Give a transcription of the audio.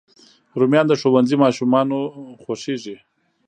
رومیان د ښوونځي ماشومانو خوښېږي